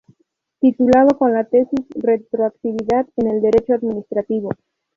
Titulado con la tesis: Retroactividad en el Derecho Administrativo.